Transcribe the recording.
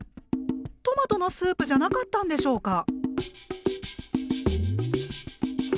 トマトのスープじゃなかったんでしょうか？